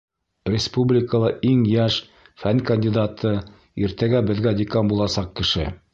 Республикала иң йәш фән кандидаты, иртәгә беҙгә декан буласаҡ кеше!